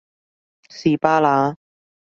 士巴拿